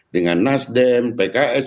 dengan nasden pks